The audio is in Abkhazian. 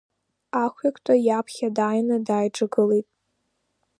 Ахҩыктәи иаԥхьа дааины дааиҿагылеит.